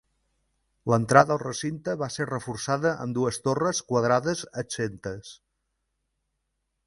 L'entrada al recinte va ser reforçada amb dues torres quadrades exemptes.